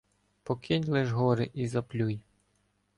Покинь лиш горе і заплюй.